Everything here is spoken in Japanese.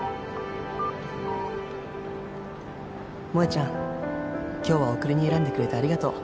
「萌ちゃん、今日は送りに選んでくれてありがとう！